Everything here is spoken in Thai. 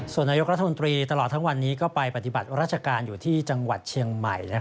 ส่วนนายกรัฐมนตรีตลอดทั้งวันนี้ก็ไปปฏิบัติราชการอยู่ที่จังหวัดเชียงใหม่